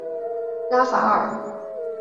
拉法尔。